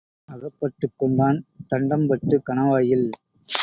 அகப்பட்டுக் கொண்டான் தண்டம்பட்டுக் கணவாயில்.